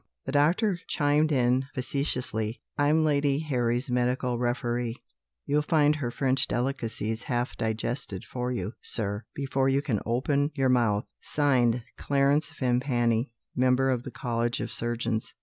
The doctor chimed in facetiously: "I'm Lady Harry's medical referee; you'll find her French delicacies half digested for you, sir, before you can open your mouth: signed, Clarence Vimpany, member of the College of Surgeons."